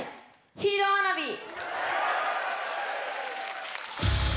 「ヒーローワナビー」。